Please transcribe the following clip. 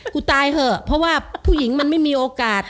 กูตายเถอะเพราะว่าผู้หญิงมันไม่มีโอกาส